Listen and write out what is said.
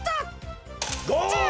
ゴール！